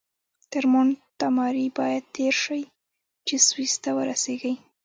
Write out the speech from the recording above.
تر مونټ تاماري باید تېر شئ چې سویس ته ورسیږئ.